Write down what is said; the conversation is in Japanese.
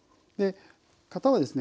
型はですね